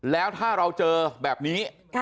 แล้วถ้าเราเจอแบบนี้